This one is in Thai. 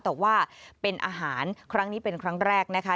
แต่ว่าเป็นอาหารครั้งนี้เป็นครั้งแรกนะคะ